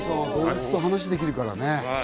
動物と話できるからね。